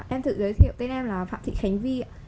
em tự giới thiệu tên em là phạm thị khánh vi ạ